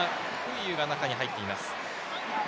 クイユーが中に入っています。